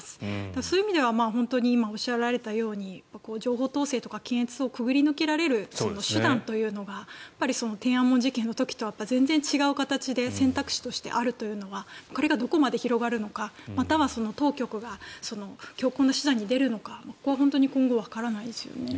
そういう意味では本当に今おっしゃられたように情報統制とか検閲を潜り抜けられる手段というのが天安門事件の時とは全然違う形で選択肢としてあるというのはこれがどこまで広がるのかまたは当局が強硬な手段に出るのかこれは今後本当にわからないですよね。